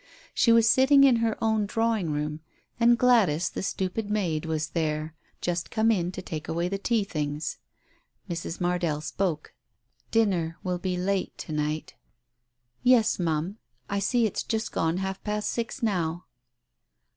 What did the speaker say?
She was sitting in her own drawing room, and Gladys the stupid maid, was there — just come in to take away the tea things. Mrs. Mardell spoke. "Dinner will be late to night." "Yes, Ma'am, I see it's just gone half past six now."